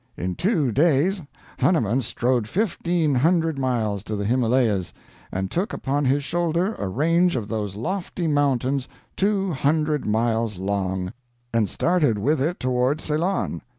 In two days Hanuman strode fifteen hundred miles, to the Himalayas, and took upon his shoulder a range of those lofty mountains two hundred miles long, and started with it toward Ceylon.